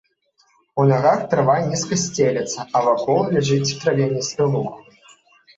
У нагах трава нізка сцелецца, а вакол ляжыць травяністы луг.